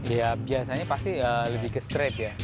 ya biasanya pasti lebih ke straight ya